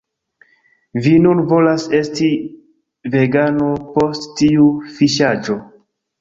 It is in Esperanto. Vi nun volas esti vegano post tiu fiŝaĵo